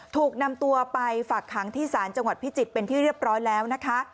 ถูกนำตัวไปฝากขังที่ศาลจังหวัดพิจิตรเป็นที่เรียบร้อยแล้วนะคะ